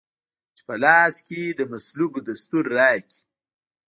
چي په لاس کې د مصلوبو دستور راکړی